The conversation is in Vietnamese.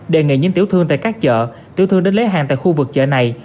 đề nghị những tiểu thương tại các chợ tiểu thương đến lấy hàng tại khu vực chợ này